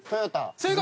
正解。